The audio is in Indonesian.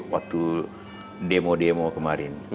waktu demo demo kemarin